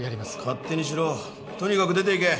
勝手にしろとにかく出ていけ